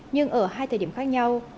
nhưng ở hai thời điểm khác nhau